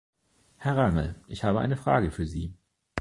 Herr Rangel, ich habe eine Frage für Sie.